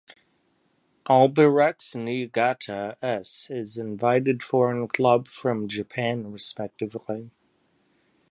Albirex Niigata (S) is invited foreign club from Japan respectively.